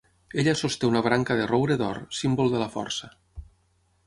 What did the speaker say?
Ella sosté una branca de roure d'or, símbol de la força.